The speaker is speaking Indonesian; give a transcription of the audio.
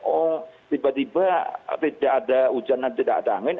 oh tiba tiba tidak ada hujan dan tidak ada angin